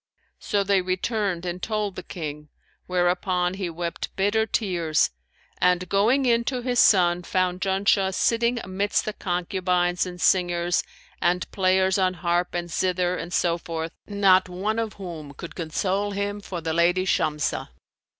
So they returned and told the King, whereupon he wept bitter tears and going in to his son found Janshah sitting amidst the concubines and singers and players on harp and zither and so forth, not one of whom could console him for the lady Shamsah.